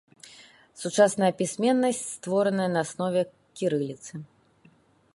Сучасная пісьменнасць створаная на аснове кірыліцы.